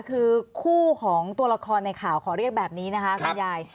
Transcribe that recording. คือคู่ของตัวละครในข่าวขอเรียกแบบนี้นะคะคุณยาย